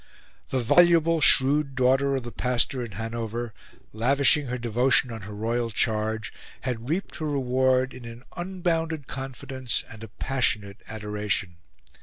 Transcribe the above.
The voluble, shrewd daughter of the pastor in Hanover, lavishing her devotion on her royal charge, had reaped her reward in an unbounded confidence and a passionate adoration.